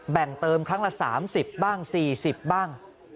แบ่งเติมครั้งละ๓๐บ้าง๔๐บ้าง